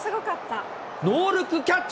ノールックキャッチ。